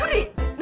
何？